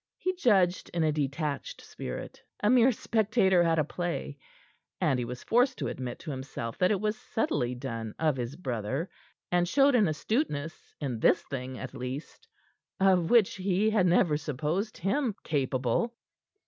He judged in a detached spirit a mere spectator at a play and he was forced to admit to himself that it was subtly done of his brother, and showed an astuteness in this thing, at least, of which he had never supposed him capable.